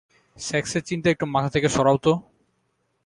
সেক্সের চিন্তা একটু মাথা থেকে সরাও তো।